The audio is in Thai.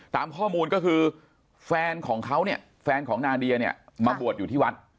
ตามข้อมูลก็คือแฟนของเขาเนี่ยแฟนของนาเดียเนี่ยมาบวชอยู่ที่วัด